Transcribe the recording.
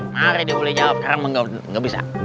mereka udah boleh jawab sekarang emang gak bisa